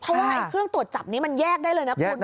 เพราะว่าเครื่องตรวจจับนี้มันแยกได้เลยนะคุณ